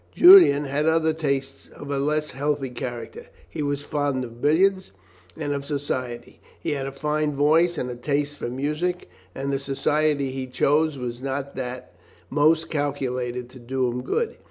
Julian had other tastes of a less healthy character; he was fond of billiards and of society, he had a fine voice and a taste for music, and the society he chose was not that most calculated to do him good.